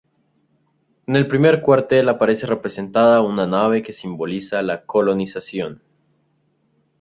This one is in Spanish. En el primer cuartel aparece representada una nave que simboliza la colonización.